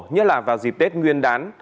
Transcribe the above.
như là vào dịp tết nguyên đán